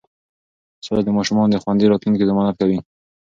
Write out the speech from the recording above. سوله د ماشومانو د خوندي راتلونکي ضمانت کوي.